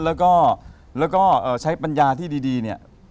แล้วก็ใช้ปัญญาที่ดีเนี่ย